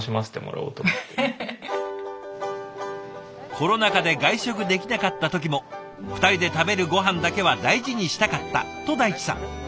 コロナ禍で外食できなかった時も２人で食べるごはんだけは大事にしたかったと大地さん。